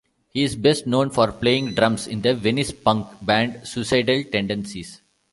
He is best known for playing drums in the Venice punk band Suicidal Tendencies.